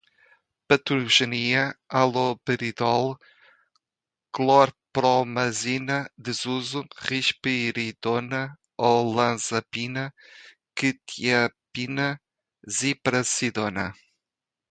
patogenia, haloperidol, clorpromazina, desuso, risperidona, olanzapina, quetiapina, ziprasidona